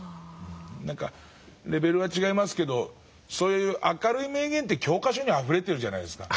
何かレベルは違いますけどそういう明るい名言って教科書にあふれてるじゃないですか。